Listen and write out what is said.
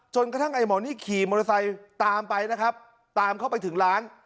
กระทั่งไอ้หมอนี่ขี่มอเตอร์ไซค์ตามไปนะครับตามเข้าไปถึงร้าน